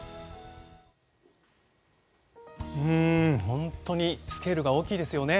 本当にスケールが大きいですよね。